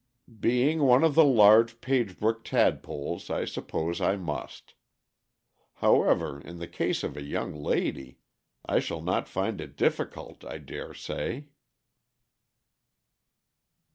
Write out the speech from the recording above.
"Being one of the large Pagebrook tadpoles, I suppose I must. However, in the case of a young lady, I shall not find it difficult, I dare say."